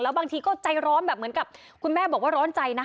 บางทีก็ใจร้อนแบบเหมือนกับคุณแม่บอกว่าร้อนใจนะ